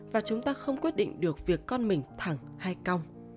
và chúng ta không quyết định được việc con mình thẳng hay cong